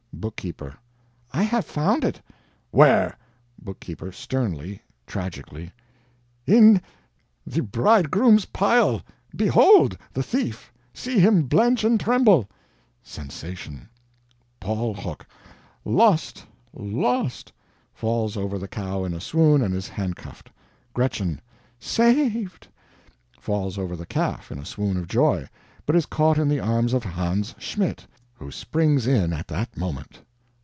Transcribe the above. Bookkeeper: "I have found it." "Where?" Bookkeeper (sternly tragically): "In the bridegroom's pile! behold the thief see him blench and tremble!" [Sensation.] Paul Hoch: "Lost, lost!" falls over the cow in a swoon and is handcuffed. Gretchen: "Saved!" Falls over the calf in a swoon of joy, but is caught in the arms of Hans Schmidt, who springs in at that moment.